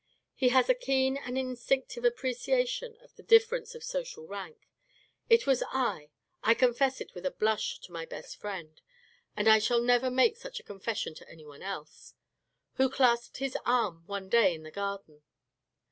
He has a keen and instinctive appreciation of the difference of social rank. It was I (I confess it with a blush to my best friend, and I shall never make such a confession to anyone else) who clasped his arm one day in the garden.